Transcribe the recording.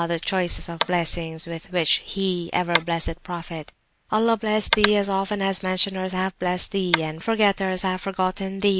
the choicest of Blessings with which He ever blessed Prophet! Allah bless Thee as often as Mentioners have mentioned Thee, and Forgetters have forgotten Thee!